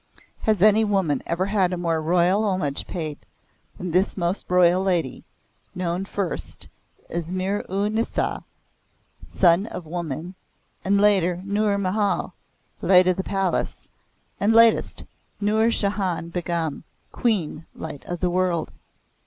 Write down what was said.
Has any woman ever had a more royal homage than this most royal lady known first as Mihr u nissa Sun of Women, and later, Nour Mahal, Light of the Palace, and latest, Nour Jahan Begam, Queen, Light of the World?